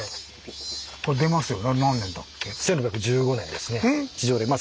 出ますよ。